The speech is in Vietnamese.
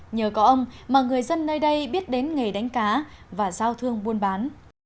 nhờ có ông mà người dân nơi đây biết đến nghề đánh cá và giao thương buôn bán